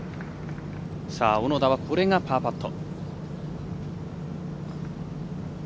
小野田はこれがパーパット。